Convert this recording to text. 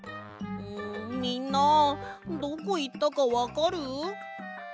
みんなどこいったかわかる？